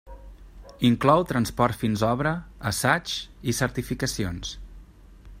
Inclou transport fins obra, assaigs i certificacions.